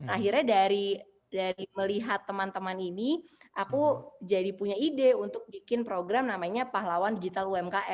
akhirnya dari melihat teman teman ini aku jadi punya ide untuk bikin program namanya pahlawan digital umkm